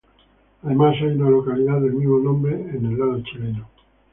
Además, hay una localidad del mismo nombre del lado chileno.